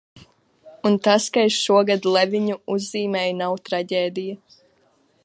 Un tas, ka es šodien Ieviņu uzzīmēju nav traģēdija.